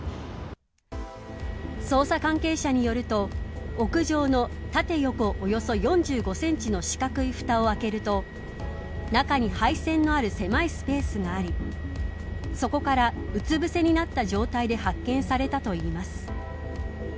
捜査関係者によると屋上の、縦横およそ４５センチの四角い蓋を開けると中に配線のある狭いスペースがありそこからうつぶせになった状態で発見されたといいます。